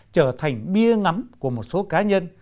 trở thành bia ngắm của một số cá nhân